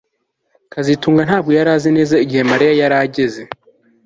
kazitunga ntabwo yari azi neza igihe Mariya yari ageze